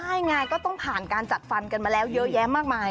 ใช่ไงก็ต้องผ่านการจัดฟันกันมาแล้วเยอะแยะมากมาย